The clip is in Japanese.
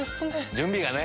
準備がね。